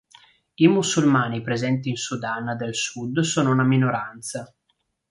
I musulmani presenti in Sudan del Sud sono una minoranza.